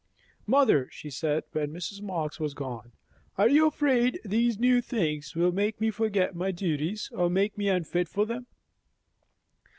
"Mother," she said when Mrs. Marx was gone, "are you afraid these new things will make me forget my duties, or make me unfit for them?"